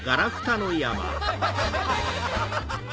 ハハハハハ。